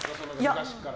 昔から。